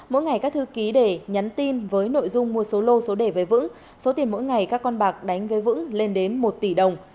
mỗi ngày các thư ký đề nhắn tin với nội dung mua số lô số đề với vững